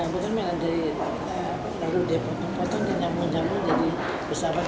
bukan mainan dari lalu dia potong potong dan nyambung nyambung jadi pesawat udara